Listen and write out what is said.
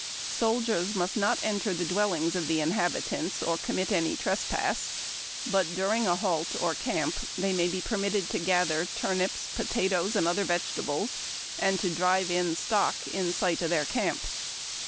Soldiers must not enter the dwellings of the inhab itants or commit any trespass ; but during a halt or camp they may be permitted to gather turnips, potatoes, and other vegetables, and to drive in stock in sight of their 240 HARD TACK AND COFFEE. camp.